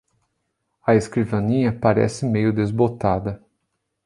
A escrivaninha parece meio desbotada